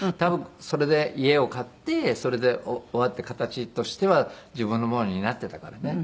それで家を買ってそれで終わって形としては自分のものになっていたからね。